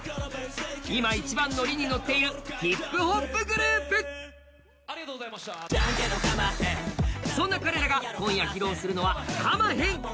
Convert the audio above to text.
今一番ノリに乗っているヒップホップグループそんな彼らが今夜披露するのは「かまへん」